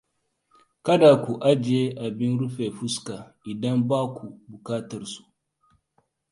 Kada ku ajiye abin rufe fuska idan ba ku bukatar su.